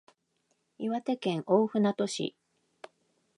岩手県大船渡市